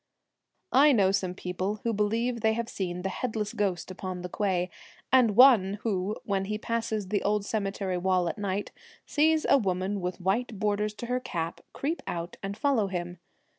I know some who believe they have seen the headless ghost upon the quay, and one who, when he passes the old cemetery wall at night, sees a woman with white borders to her cap 1 creep out and follow him.